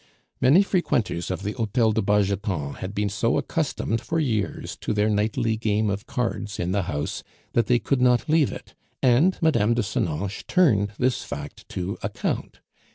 Many frequenters of the Hotel de Bargeton had been so accustomed for years to their nightly game of cards in the house that they could not leave it, and Mme. de Senonches turned this fact to account.